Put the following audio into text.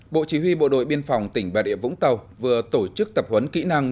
bộ chỉ huy bộ đội biên phòng tỉnh bà địa vũng tàu vừa tổ chức tập huấn kỹ năng